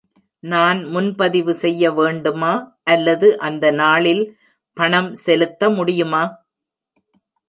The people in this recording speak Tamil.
நான் முன்பதிவு செய்ய வேண்டுமா, அல்லது அந்த நாளில் பணம் செலுத்த முடியுமா?